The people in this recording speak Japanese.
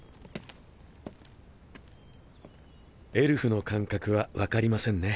エルフの感覚は分かりませんね。